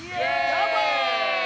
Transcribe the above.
どーも！